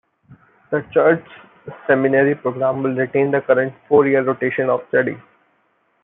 The church's seminary program will retain the current four-year rotation of study.